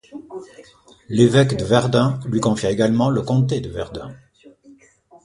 L’évêque de Verdun lui confia également le comté de Verdun.